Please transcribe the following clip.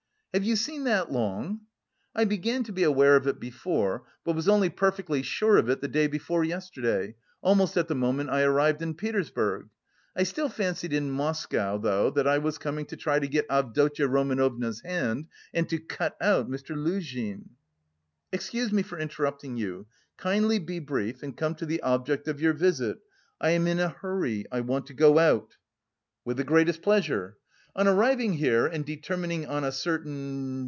"Have you seen that long?" "I began to be aware of it before, but was only perfectly sure of it the day before yesterday, almost at the moment I arrived in Petersburg. I still fancied in Moscow, though, that I was coming to try to get Avdotya Romanovna's hand and to cut out Mr. Luzhin." "Excuse me for interrupting you; kindly be brief, and come to the object of your visit. I am in a hurry, I want to go out..." "With the greatest pleasure. On arriving here and determining on a certain...